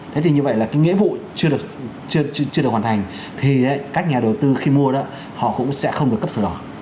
thế thì như vậy cái nghĩa vui chưa được hoàn thành thì các nhà đầu tư khi mua họ cũng sẽ không được cấp sở hạ